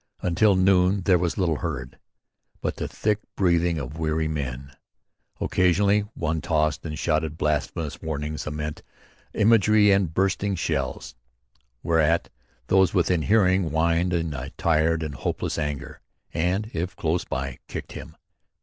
Until noon there was little heard but the thick breathing of weary men. Occasionally one tossed and shouted blasphemous warnings anent imaginary and bursting shells; whereat those within hearing whined in a tired and hopeless anger, and, if close by, kicked him.